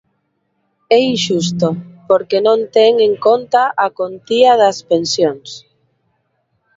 É inxusto, porque non ten en conta a contía das pensións.